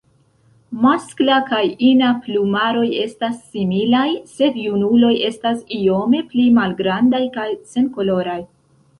Maskla kaj ina plumaroj estas similaj, sed junuloj estas iome pli malgrandaj kaj senkoloraj.